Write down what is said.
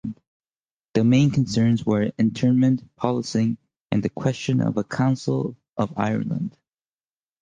The main concerns were internment, policing and the question of a Council of Ireland.